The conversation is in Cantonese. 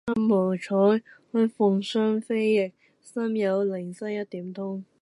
身無彩鳳雙飛翼，心有靈犀一點通。